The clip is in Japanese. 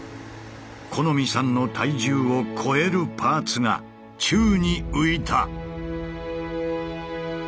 木実さんの体重を超えるパーツが宙に浮いた。